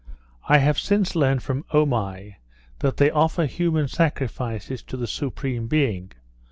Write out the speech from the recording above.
I have since learnt from Omai, that they offer human sacrifices to the Supreme Being.